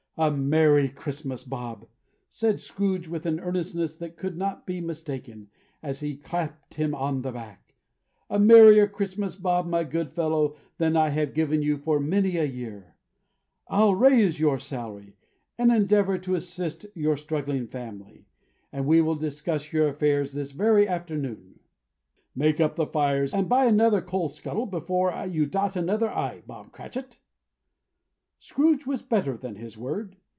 "A Merry Christmas, Bob!" said Scrooge, with an earnestness that could not be mistaken, as he clapped him on the back, "A Merrier Christmas, Bob, my good fellow, than I have given you for many a year! I'll raise your salary, and endeavor to assist your struggling family, and we will discuss your affairs this very afternoon. Make up the fires, and buy another coal scuttle before you dot another i, Bob Cratchit!" Scrooge was better than his word.